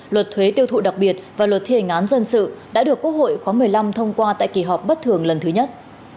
luật thuế tiêu thụ đặc biệt và luật thi hành án dân sự đã được quốc hội khóa một mươi năm thông qua tại kỳ họp bất thường lần thứ nhất